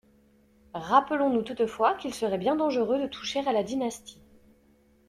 Rappelons-nous toutefois qu'il serait bien dangereux de toucher à la dynastie.